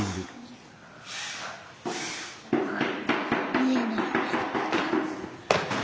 みえない。